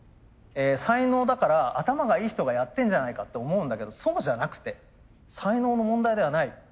才能だから頭がいい人がやってんじゃないかって思うんだけどそうじゃなくて才能の問題ではない。